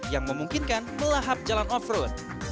yang memungkinkan melahap jalan off road